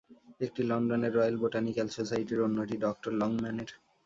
একটি লন্ডনের royal botanical সোসাইটির, অন্যটি ডঃ লংম্যানের।